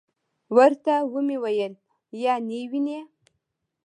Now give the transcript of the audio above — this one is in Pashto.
ورته ومي ویل: یا نې وینې .